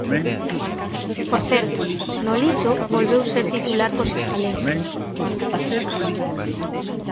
Por certo, Nolito volveu ser titular cos hispalenses.